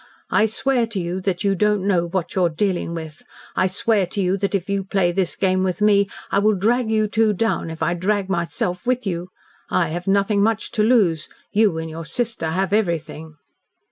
I swear to you that you don't know what you are dealing with. I swear to you that if you play this game with me I will drag you two down if I drag myself with you. I have nothing much to lose. You and your sister have everything."